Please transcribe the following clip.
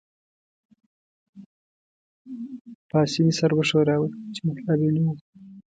پاسیني سر وښوراوه، چې مطلب يې نه وو.